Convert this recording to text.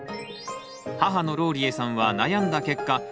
母のローリエさんは悩んだ結果